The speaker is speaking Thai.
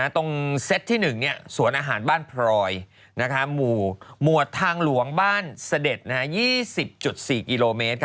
เซตที่๑สวนอาหารบ้านพรอยหมวดทางหลวงบ้านเสด็จ๒๐๔กิโลเมตร